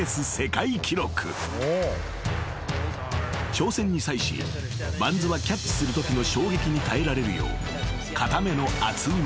［挑戦に際しバンズはキャッチするときの衝撃に耐えられるよう］